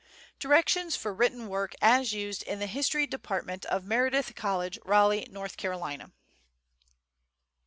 DIRECTIONS FOR WRITTEN WORK AS USED IN THE HISTORY DEPARTMENT OF MEREDITH COLLEGE, RALEIGH, NORTH CAROLINA.